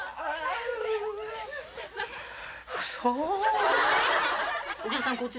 お客さん